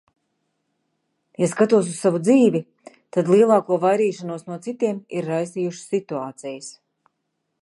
Ja skatos uz savu dzīvi, tad lielāko vairīšanos no citiem ir raisījušas situācijas.